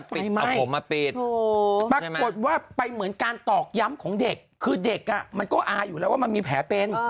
เอาผมมาปิดปรากฏว่าไปเหมือนการตอกย้ำของเด็กคือเด็กมันก็อายอยู่แล้วว่ามันมีแผลเป็น